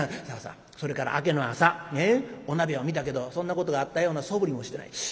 「さあさあそれから明けの朝お鍋を見たけどそんなことがあったようなそぶりもしてない。